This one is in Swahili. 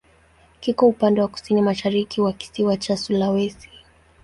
Kiko upande wa kusini-mashariki wa kisiwa cha Sulawesi.